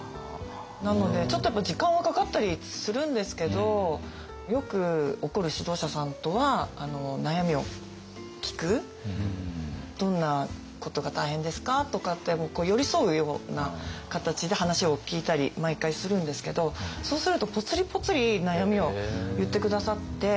なのでちょっとやっぱり時間はかかったりするんですけどよく「どんなことが大変ですか？」とかって寄り添うような形で話を聞いたり毎回するんですけどそうするとポツリポツリ悩みを言って下さって。